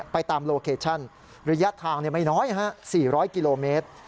ตามโลเคชั่นระยะทางไม่น้อย๔๐๐กิโลเมตร